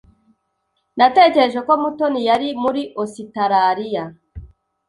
Natekereje ko Mutoni yari muri Ositaraliya.